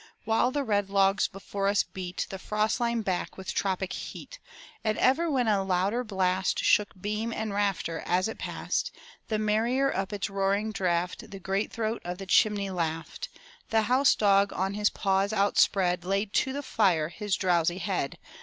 While the red logs before us beat The frost line back with tropic heat; And ever, when a louder blast Shook beam and rafter as it passed, The merrier up its roaring draught The great throat of the chimney laughed; The house dog on his paws outspread Laid to the fire his drowsy head.